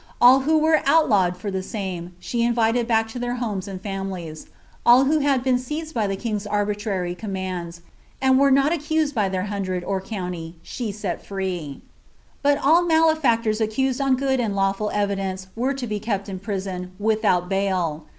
All who were outlawed for the die invited back to their homes and families. All who had been by the king's arbitrary commands, and were not accused by their oadred or county, she set free." ^ But all male&ctors accused on good and lawful evidence were to be apt in prison, without bail."